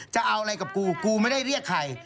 จะเอาอะไรกับกูกูไม่ได้เรียกใคร